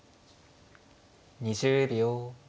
２０秒。